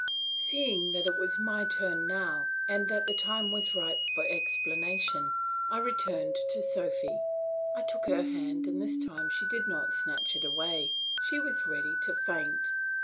Seeing that it was my turn now, and that the time was ripe for explanation, I returned to Sophy. I took her hand and this time she did not snatch it away; she was ready to faint.